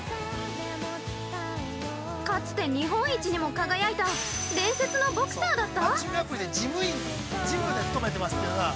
かつて日本一にも輝いた伝説のボクサーだった！？